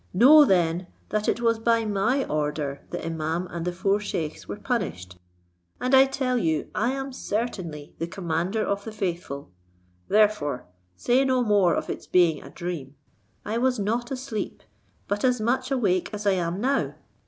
Know then that it was by my order the imaum and the four scheiks were punished, and I tell you I am certainly the commander of the faithful: therefore say no more of its being a dream. I was not asleep, but as much awake as I am now.